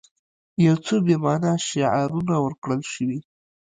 یو څو بې معنا شعارونه ورکړل شوي.